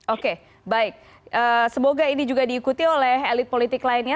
oke baik semoga ini juga diikuti oleh elit politik lainnya